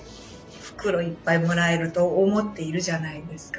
袋いっぱいもらえると思っているじゃないですか。